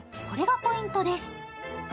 これがポイントです。